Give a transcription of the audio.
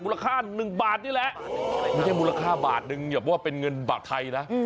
ค่า๑บาทนี่แหละไม่ใช่มูลค่าบาทหนึ่งแบบว่าเป็นเงินบาทไทยนะ